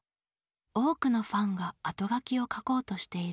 多くのファンがあとがきを書こうとしている。